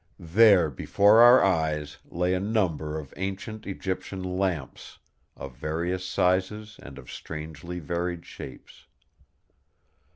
There before our eyes lay a number of ancient Egyptian lamps, of various sizes and of strangely varied shapes.